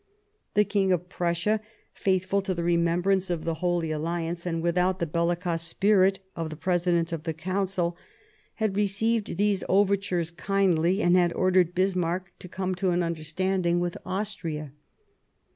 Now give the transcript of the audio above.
The King of Prussia, faithful to the remembrance of the Holy Alliance and without the bellicose spirit of the President of the Council, had received these over tures kindly and had ordered Bismarck to come to an understanding with Austria.